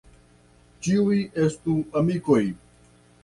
Ĉiuj estu amikoj.